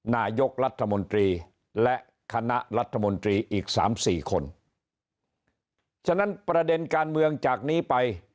นายกรัฐมนตรีและคณะรัฐมนตรีอีกสามสี่คนฉะนั้นประเด็นการเมืองจากนี้ไป